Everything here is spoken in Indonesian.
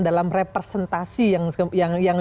dalam representasi yang